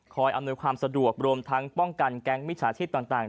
อำนวยความสะดวกรวมทั้งป้องกันแก๊งมิจฉาชีพต่าง